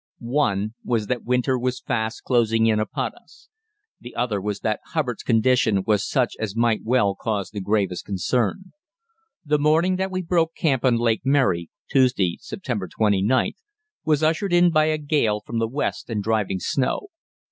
One was that winter was fast closing in upon us; the other was that Hubbard's condition was such as might well cause the gravest concern. The morning that we broke camp on Lake Mary (Tuesday, September 29th), was ushered in by a gale from the west and driving snow.